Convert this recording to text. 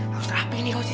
harus rapi nih kau sisil